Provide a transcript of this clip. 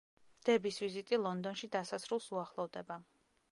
დების ვიზიტი ლონდონში დასასრულს უახლოვდება.